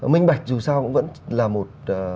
mình bạch dù sao cũng vẫn là một